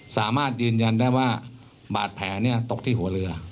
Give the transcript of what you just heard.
สามารถยืนยันได้ว่าบาดแผลตกที่หัวเรือ